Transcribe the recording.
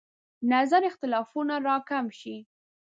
نظر اختلافونه راکم شي.